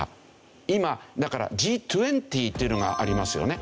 今だからＧ２０っていうのがありますよね。